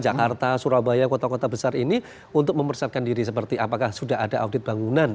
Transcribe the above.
jakarta surabaya kota kota besar ini untuk mempersiapkan diri seperti apakah sudah ada audit bangunan